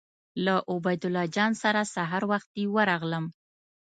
له عبیدالله جان سره سهار وختي ورغلم.